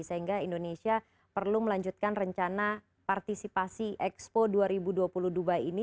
sehingga indonesia perlu melanjutkan rencana partisipasi expo dua ribu dua puluh dubai ini